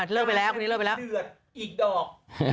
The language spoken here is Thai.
เลิกไปแล้วเรียนเลิกไปแล้วห่าลึกอีกดอก